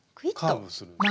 カーブする。